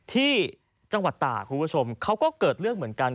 ที่จังหวัดตากคุณผู้ชมเขาก็เกิดเรื่องเหมือนกัน